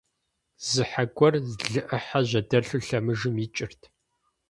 Зы хьэ гуэр лы Ӏыхьэ жьэдэлъу лъэмыжым икӀырт.